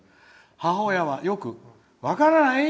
母親はよく分からない？